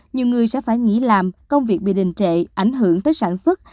nhiều người sẽ phải nghỉ làm công việc bị đình trệ ảnh hưởng tới sản xuất